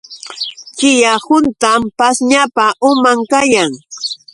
Chiya huntam pashñapa uman kayan.